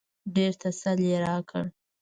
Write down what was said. ډېر تسل يې راکړ.